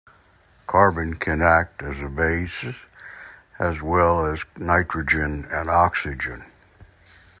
Carbon can act as a base as well as nitrogen and oxygen.